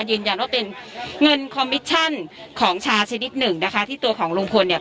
ยืนยันว่าเป็นเงินคอมมิชชั่นของชาชนิดหนึ่งนะคะที่ตัวของลุงพลเนี่ย